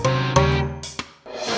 tante ya udah